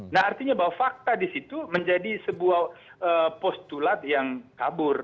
nah artinya bahwa fakta di situ menjadi sebuah postulat yang kabur